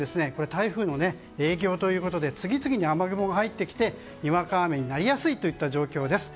台風の影響ということで次々に雨雲が入ってきてにわか雨になりやすい状況です。